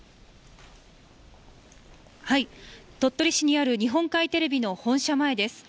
鳥取市にある日本海テレビの本社前です。